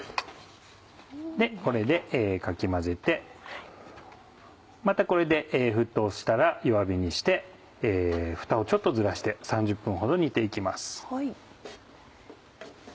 これでかき混ぜてまたこれで沸騰したら弱火にしてフタをちょっとずらして３０分ほど煮て行きます。